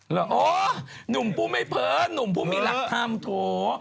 อ๋อหนุ่มผู้ไม่เพ้อหนุ่มผู้มีหลักธรรมโถ